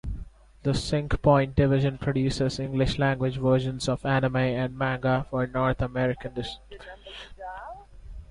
The Synch-Point division produces English-language versions of anime and manga for North American distribution.